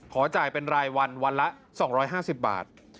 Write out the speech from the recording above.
ขอจ่ายเป็นรายวันวันละ๒๕๐บาท